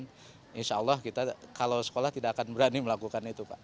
secara online insya allah kita kalau sekolah tidak akan berani melakukan itu